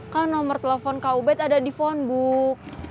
kan nomor telepon kau ben ada di phonebook